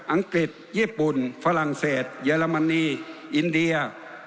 อังกฤษญี่ปุ่นฝรั่งเศสเยอรมนีอินเดีย